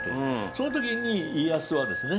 その時に家康はですね